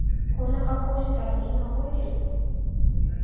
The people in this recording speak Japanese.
こんな格好してたらみんな覚えてるよ